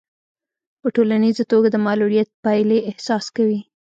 په ټولیزه توګه د معلوليت پايلې احساس کوي.